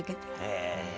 へえ！